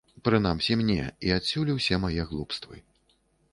Прынамсі мне і адсюль усе мае глупствы.